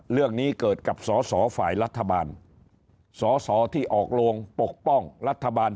เรื่องนี้เกิดกับสอสอฝ่ายรัฐบาลสอสอที่ออกโรงปกป้องรัฐบาล